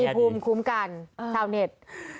ภูมิคุ้มกันชาวเน็ต